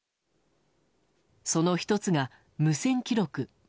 その１つが無線記録。